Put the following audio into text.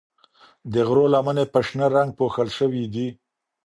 د غرو لمنې په شنه رنګ پوښل شوي دي.